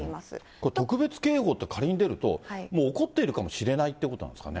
これ、特別警報って仮に出ると、もう起こっているかもしれないということなんですかね？